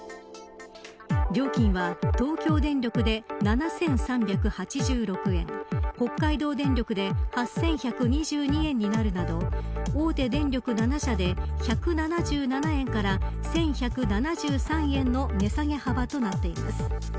料金は、東京電力で７３８６円北海道電力で８１２２円になるなど大手電力７社で１７７円から１１７３円の値下げ幅となっています。